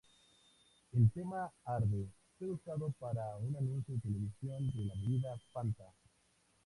El tema ""Arde"" fue usado para un anuncio televisivo de la bebida Fanta.